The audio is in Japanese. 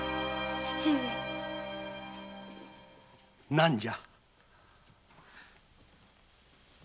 何じゃ？